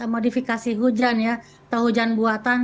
modifikasi hujan ya atau hujan buatan